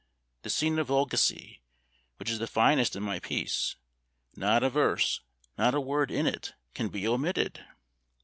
the scene of Volgesie, which is the finest in my piece; not a verse, not a word in it, can be omitted!